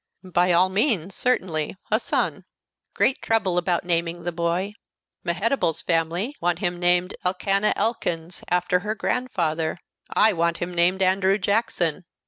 "By all means, certainly, a son." "Great trouble about naming the boy. Mehetabel's family want him named Elkanah Elkins, after her grandfather; I want him named Andrew Jackson.